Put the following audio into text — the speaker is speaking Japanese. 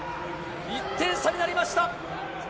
１点差になりました。